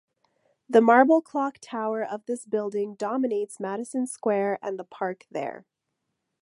The marble clock tower of this building dominates Madison Square and the park there.